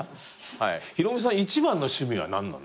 ヒロミさん一番の趣味は何なんですか？